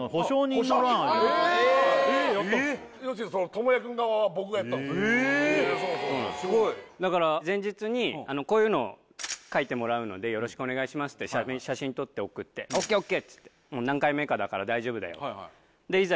倫也君側は僕がやったんすえっすごいそうそうだから前日にこういうの書いてもらうのでよろしくお願いしますって写真撮って送ってＯＫＯＫっつってもう何回目かだから大丈夫だよでいざ